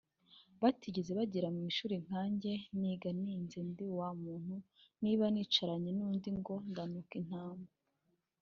batigeze bagera mu ishuri nkanjye niga nize ndi wa muntu niba nicaranye n’undi ngo ndanuka intama